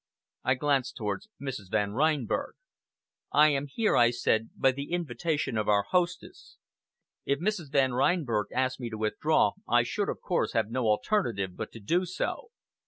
I glanced towards Mrs. Van Reinberg. "I am here," I said, "by the invitation of our hostess. If Mrs. Van Reinberg asks me to withdraw, I should, of course, have no alternative but to do so.